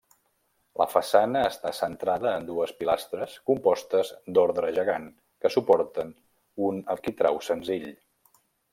La façana està centrada en dues pilastres compostes d'ordre gegant que suporten un arquitrau senzill.